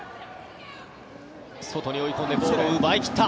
外に追い込んでボールを奪い切った。